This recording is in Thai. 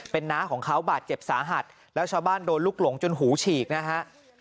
เป็นน้าของเขาบาดเจ็บสาหัสแล้วชาวบ้านโดนลุกหลงจนหูฉีกนะฮะ